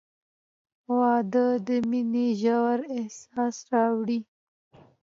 • واده د مینې ژور احساس راوړي.